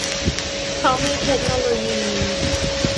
เพราะมีเทคโนโลยี